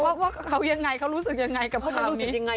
ว่าเขายังไงเขารู้สึกยังไงกับความนี้